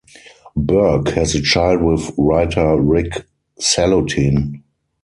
Burke has a child with writer Rick Salutin.